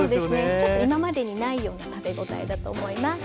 ちょっと今までにないような食べごたえだと思います。